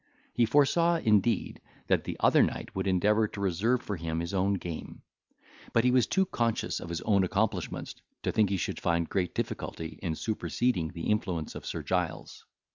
He foresaw, indeed, that the other knight would endeavour to reserve him for his own game; but he was too conscious of his own accomplishments to think he should find great difficulty in superseding the influence of Sir Giles.